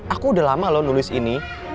aku udah lama loh nulis ini